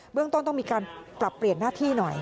เรื่องต้นต้องมีการปรับเปลี่ยนหน้าที่หน่อย